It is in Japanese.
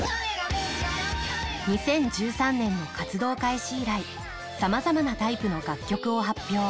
２０１３年の活動開始以来さまざまなタイプの楽曲を発表。